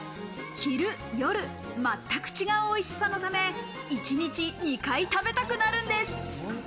昼、夜、全く違うおいしさのため、一日２回食べたくなるんです。